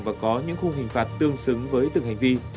và có những khung hình phạt tương xứng với từng hành vi